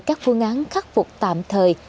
các phương án khắc phục tạm thời